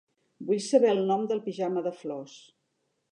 Vull saber el nom del pijama de flors.